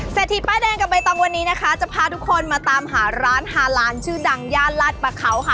ทีป้ายแดงกับใบตองวันนี้นะคะจะพาทุกคนมาตามหาร้านฮาลานชื่อดังย่านลาดประเขาค่ะ